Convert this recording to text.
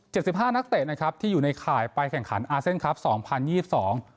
สิบห้านักเตะนะครับที่อยู่ในข่ายไปแข่งขันอาเซียนครับสองพันยี่สิบสอง